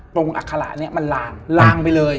ตรงอักษระมันลางลางไปเลย